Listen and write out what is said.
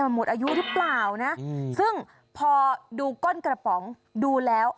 หมดอายุหรือเปล่านะซึ่งพอดูก้นกระป๋องดูแล้ว